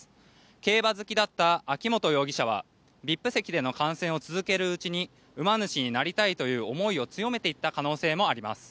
競馬好きだった秋本容疑者はＶＩＰ席での観戦を続けるうちに馬主になりたいという思いを強めていった可能性もあります。